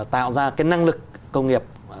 tạo ra cái năng lực công nghiệp